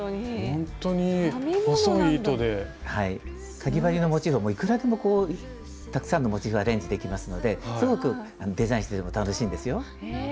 かぎ針のモチーフはいくらでもたくさんのモチーフをアレンジできますのですごくデザインしてても楽しいんですよ。